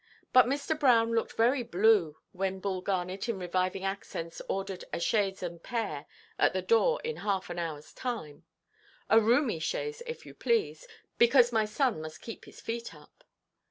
But Mr. Brown looked very blue when Bull Garnet in reviving accents ordered "a chaise and pair at the door in half an hourʼs time; a roomy chaise, if you please, because my son must keep his feet up."